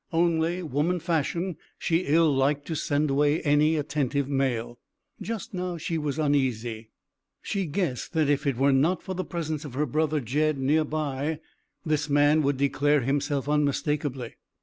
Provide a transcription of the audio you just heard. Only, woman fashion, she ill liked to send away any attentive male. Just now she was uneasy. She guessed that if it were not for the presence of her brother Jed near by this man would declare himself unmistakably.